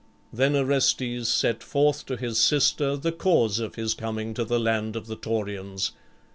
Then Orestes set forth to his sister the cause of his coming to the land of the Taurians.